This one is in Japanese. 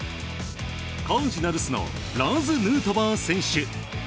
カージナルスのラーズ・ヌートバー選手。